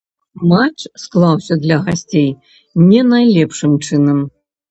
Матч склаўся для гасцей не найлепшым чынам.